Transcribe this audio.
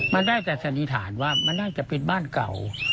มันได้แต่สันนิษฐานว่ามันน่าจะเป็นบ้านเก่า